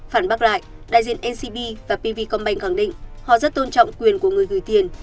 phản bác lại đại diện ncb và pv commeng khẳng định họ rất tôn trọng quyền của người gửi tiền